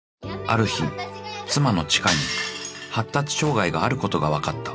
［ある日妻の知花に発達障害があることが分かった］